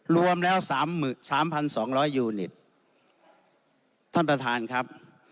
รวมแล้วสามหมื่นสามพันสองร้อยยูนิตท่านประธานครับ